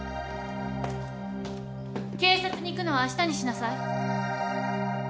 警察に行くのはあしたにしなさい。